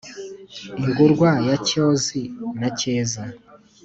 ingurwa ya cyozi na cyeza